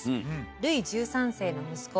ルイ１３世の息子